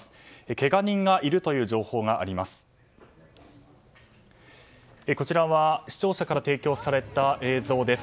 けが人がいるという情報があります。